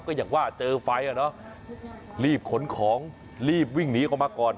ก็อย่างว่าเจอไฟอ่ะเนอะรีบขนของรีบวิ่งหนีออกมาก่อน